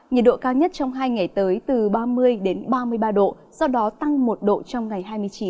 nhiệt độ cao nhất trong hai ngày tới từ ba mươi đến ba mươi ba độ sau đó tăng một độ trong ngày hai mươi chín